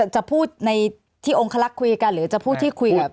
จะพูดในที่องคลักษ์คุยกันหรือจะพูดที่คุยกับ